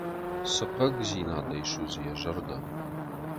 Цы хъыгдзинадӕй судзы йӕ зӕрдӕ?